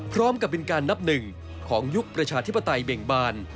พร้อมกับเป็นการนับหนึ่งของยุคประชาธิปไตยเบ่งบาน